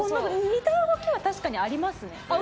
似た動きは確かにありますね。